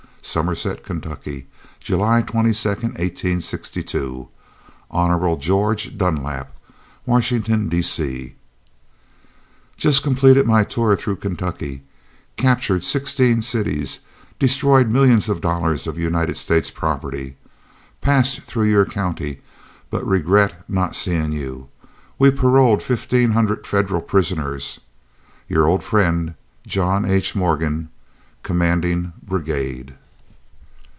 Somerset, Ky., July 22, 1862. HON. GEORGE DUNLAP, Washington, D. C. Just completed my tour through Kentucky. Captured sixteen cities, destroyed millions of dollars of United States property. Passed through your county, but regret not seeing you. We paroled fifteen hundred Federal prisoners. Your old friend, JOHN H. MORGAN, Commanding Brigade.